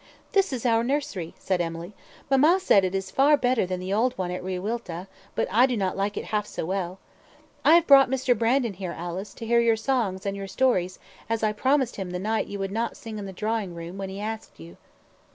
"This is our nursery," said Emily; "mamma says it is far better than the old one at Wiriwilta, but I do not like it half so well. I have brought Mr. Brandon here, Alice, to hear your songs and your stories, as I promised him the night you would not sing in the drawing room when he asked you."